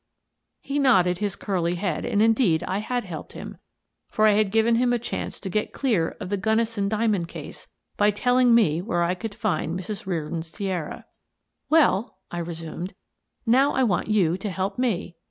He nodded his curly head, and indeed I had helped him, for I had given him a chance to get clear of the Gunnison diamond case by telling me where I could find Mrs. Reardon's tiara. " Well," I resumed, " now I want you to help me."